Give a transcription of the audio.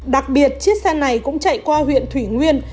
đặc biệt chiếc xe này cũng chạy qua huyện thủy nguyên